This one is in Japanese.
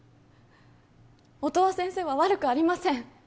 音羽先生は悪くありません